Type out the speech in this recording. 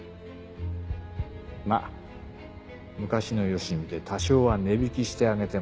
まっ昔のよしみで多少は値引きしてあげてもいい。